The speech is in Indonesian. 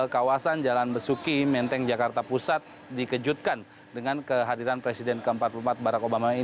kawasan jalan besuki menteng jakarta pusat dikejutkan dengan kehadiran presiden ke empat puluh empat barack obama ini